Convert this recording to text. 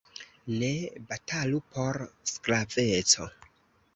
Ne batalu por sklaveco!